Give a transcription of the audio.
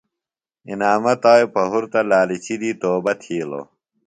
انعامہ تا پُہرتہ لالچی دی توبہ تِھیلوۡ۔